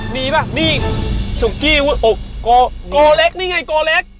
มีป่ะนี่สุกี้วอกโกเล็กนี่ไงโกเล็ก